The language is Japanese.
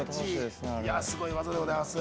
すごい技でございます。